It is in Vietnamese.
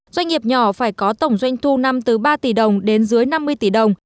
doanh nghiệp nhỏ phải có tổng doanh thu năm từ ba tỷ đồng đến dưới năm mươi tỷ đồng